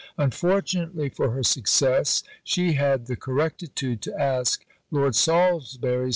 Unfortunately for her success, she had the correctitude to ask Lord Salisbury's permission.